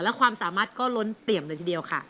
และความสามารถก็ล้นเปรียมเลยทีเดียวค่ะ